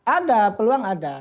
ada peluang ada